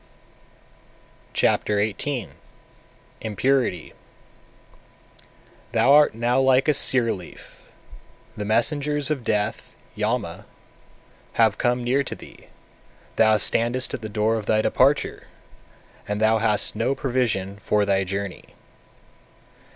Chapter XVIII. Impurity 235. Thou art now like a sear leaf, the messengers of death (Yama) have come near to thee; thou standest at the door of thy departure, and thou hast no provision for thy journey.